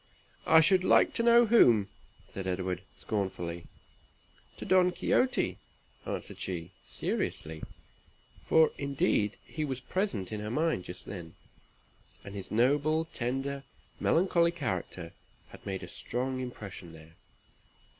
"I should like to know to whom," said Edward, scornfully. "To Don Quixote," answered she, seriously; for, indeed, he was present in her mind just then, and his noble, tender, melancholy character had made a strong impression there.